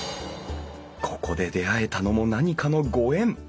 ここで出会えたのも何かのご縁。